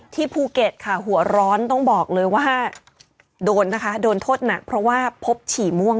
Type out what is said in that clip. ภูเก็ตค่ะหัวร้อนต้องบอกเลยว่าโดนนะคะโดนโทษหนักเพราะว่าพบฉี่ม่วง